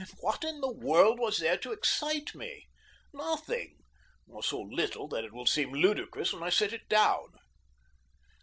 And what in the world was there to excite me? Nothing, or so little that it will seem ludicrous when I set it down.